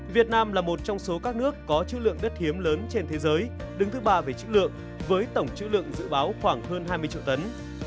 việt nam là một trong số các nước có chữ lượng đất hiếm lớn trên thế giới đứng thứ ba về chữ lượng với tổng chữ lượng dự báo khoảng hơn hai mươi triệu tấn